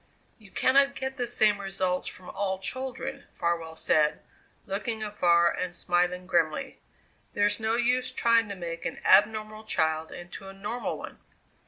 "You cannot get the same results from all children," Farwell said, looking afar and smiling grimly; "there's no use trying to make an abnormal child into a normal one.